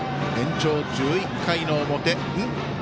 延長１１回の表。